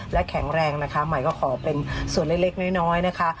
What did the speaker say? และแข็งแรงนะคะใหม่ก็ขอเป็นส่วนเล็กน้อยนะคะ